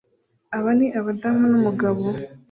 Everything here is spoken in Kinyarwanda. Aba ni abadamu numugabo